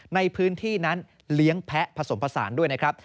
ในพื้นที่นั้นเลี้ยงแพ้ผสมผสานด้วยนะครับ